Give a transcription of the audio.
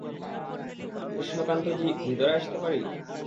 কৃষ্ণকান্ত জি, ভিতরে আসতে পারি?